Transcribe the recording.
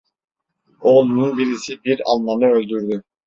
Oğlunun birisi bir Almanı öldürdü.